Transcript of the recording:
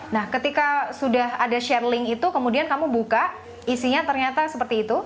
nah ketika sudah ada sharing itu kemudian kamu buka isinya ternyata seperti itu